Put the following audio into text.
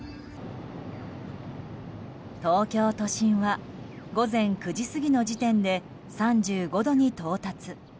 東京都心は午前９時過ぎの時点で３５度に到達。